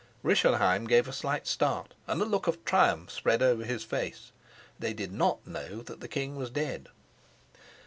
Rischenheim gave a slight start, and a look of triumph spread over his face. They did not know that the king was dead.